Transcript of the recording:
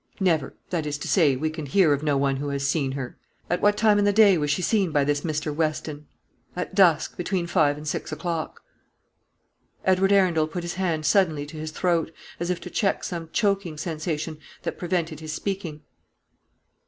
"Never; that is to say, we can hear of no one who has seen her." "At what time in the day was she seen by this Mr. Weston?" "At dusk; between five and six o'clock." Edward Arundel put his hand suddenly to his throat, as if to check some choking sensation that prevented his speaking.